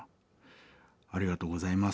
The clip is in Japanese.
ありがとうございます。